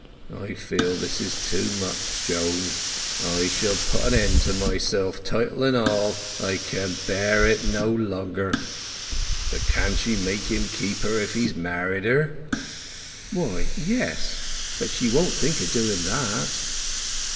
I feel this is too much, Joan; I shall put an end to myself, title and all—I can bear it no longer!... But she can make him keep her if he's married her?" "Why, yes. But she won't think o' doing that."